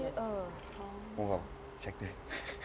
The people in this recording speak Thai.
ที่หนูเออท้อง